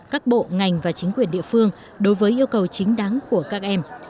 các bộ ngành và chính quyền địa phương đối với yêu cầu chính đáng của các em